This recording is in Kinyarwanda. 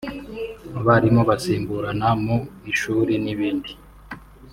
abarimu basimburana mu ishuri n’ibindi